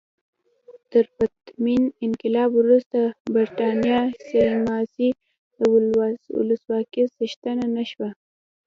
تر پرتمین انقلاب وروسته برېټانیا سملاسي د ولسواکۍ څښتنه نه شوه.